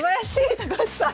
高橋さん！